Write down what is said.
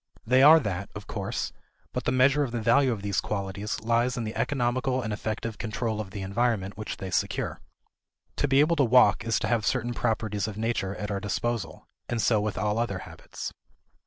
They are that, of course; but the measure of the value of these qualities lies in the economical and effective control of the environment which they secure. To be able to walk is to have certain properties of nature at our disposal and so with all other habits.